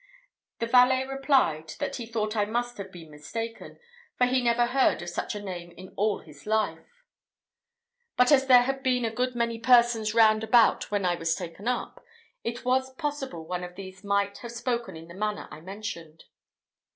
The valet replied, that he thought I must have been mistaken, for he never heard of such a name in all his life; but as there had been a good many persons round about when I was taken up, it was possible one of these might have spoken in the manner I mentioned.